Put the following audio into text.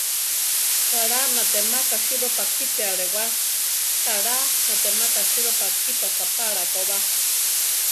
Kaʼlá natémaka sirópa kita alewá; kaʼlá natémaka sirópa kita saʼpála koba.